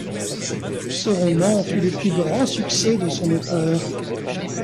Ce roman fut le plus grand succès de son auteur.